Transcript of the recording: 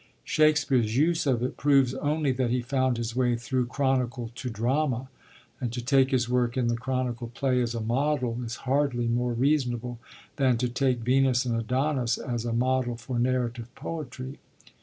Shakespeare's use of it proves only that he found his way through chronicle to drama, and to take his work in the chronicle play as a model is hardly more reasonable than to take Venus and Adonis as a model for narrative poetry.